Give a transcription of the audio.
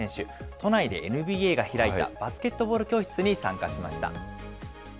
都内でＮＢＡが開いたバスケットボール教室に参加しました。